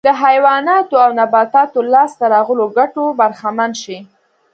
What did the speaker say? د حیواناتو او نباتاتو لاسته راغلو ګټو برخمن شي